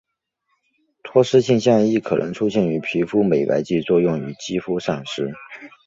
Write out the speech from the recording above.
脱失现象亦可能出现于皮肤美白剂作用于肌肤上时。